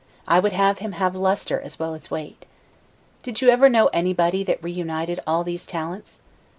I would have him have lustre as well as weight. Did you ever know anybody that reunited all these talents?